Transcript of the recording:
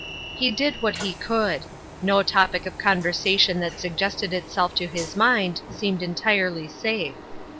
He did what he could. No topic for conversa tion that suggested itself to his mind seemed entirely safe.